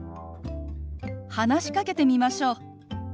話しかけてみましょう。